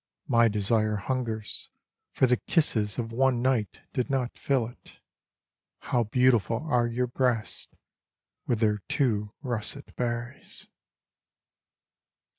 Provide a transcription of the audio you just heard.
My desire hungers, for the kisses of one night did not fill it j How beautiful are your breasts with their two russet berries.